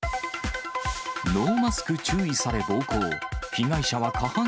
ノーマスク注意され、暴行。